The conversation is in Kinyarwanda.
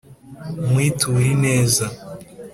nkwiture ineza!